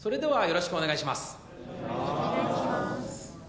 よろしくお願いします